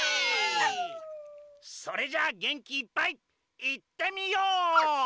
それじゃあげんきいっぱいいってみよう！